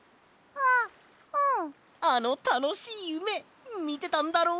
あのたのしいゆめみてたんだろ？